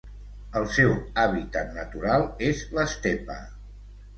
El seu hàbitat natural és l'estepa.